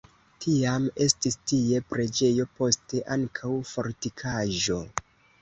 Tiam estis tie preĝejo, poste ankaŭ fortikaĵo.